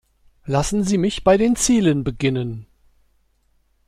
Lassen Sie mich bei den Zielen beginnen.